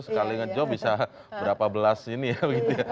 sekali ngejob bisa berapa belas ini ya begitu ya